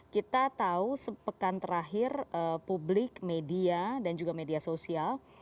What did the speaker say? kita tahu sepekan terakhir publik media dan juga media sosial